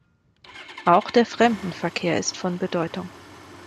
Auch der Fremdenverkehr ist von Bedeutung.